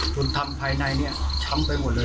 ทำภายในเนี่ยช้ำไปหมดเลย